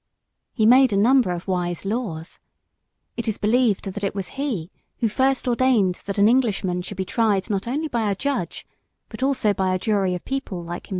He made a number of wise laws. It is believed that it was he who first ordained that an Englishman should be tried not only by a judge but also by a jury of people like himself.